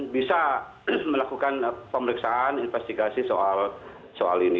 bisa melakukan pemeriksaan investigasi soal ini